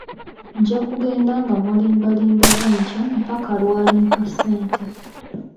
Nja kugenda nga mulimbalimba bwentyo mpaka lwalimpa ssente.